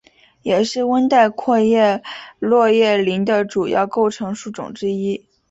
也是温带阔叶落叶林的主要构成树种之一。